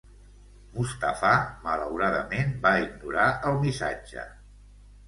Mustafà malauradament va ignorar el missatge.